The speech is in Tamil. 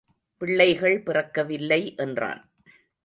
பிள்ளைகள் பிறக்கவில்லை என்றான்.